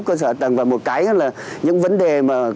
cơ sở tầng và một cái là những vấn đề mà